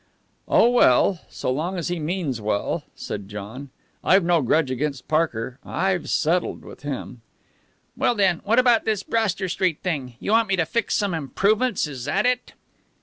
"Oh, well! So long as he means well !" said John. "I've no grudge against Parker. I've settled with him." "Well, then, what about this Broster Street thing? You want me to fix some improvements, is that it?"